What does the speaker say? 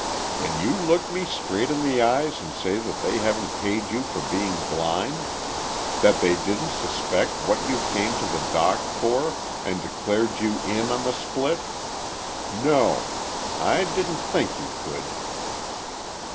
"Can you look me straight in the eyes and say that they haven't paid you for being blind? That they didn't suspect what you came to the dock for, and declared you in on the split? No! I didn't think you could!"